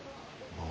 ああ。